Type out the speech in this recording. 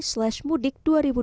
slash mudik dua ribu dua puluh